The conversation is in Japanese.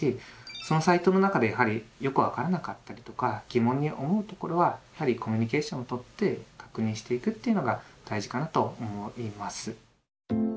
そのサイトの中でよく分からなかったりとか疑問に思うところはやはりコミュニケーションをとって確認していくというのが大事かなと思います。